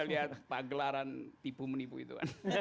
kita lihat pagelaran tipu menipu itu